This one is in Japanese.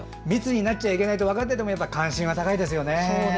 密になっちゃいけないと分かっていてもやっぱり関心は高いですよね。